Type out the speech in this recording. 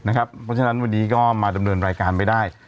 เพราะฉะนั้นวันนี้ก็มาดำเนินรายการไม่ได้